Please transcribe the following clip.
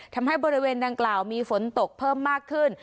ทำให้บริเวณดังกล่าวมีฝนตกเพิ่มมากขึ้น